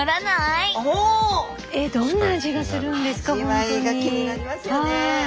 味わいが気になりますよね。